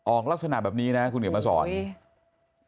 ออกลักษณะแบบนี้นะคุณเหนียวมาสอน